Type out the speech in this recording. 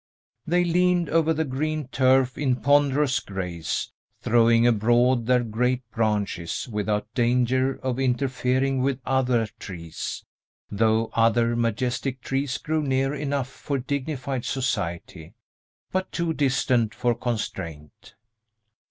They leaned over the green turf in ponderous grace, throwing abroad their great branches without danger of interfering with other trees, though other majestic trees grew near enough for dignified society, but too distant for constraint.